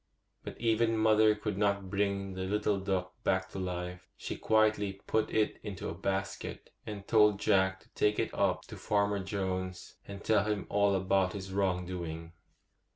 But even mother could not bring the little duck back to life. She quietly put it into a basket, and told Jack to take it up to Farmer Jones, and tell him all about his wrong doing.